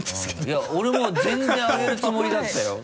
いや俺も全然上げるつもりだったよ。